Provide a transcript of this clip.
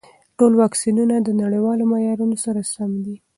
ټول واکسینونه د نړیوالو معیارونو سره سم دي.